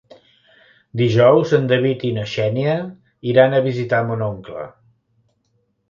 Dijous en David i na Xènia iran a visitar mon oncle.